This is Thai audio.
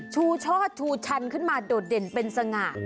ชูช่อชูชันขึ้นมาโดดเด่นเป็นสง่า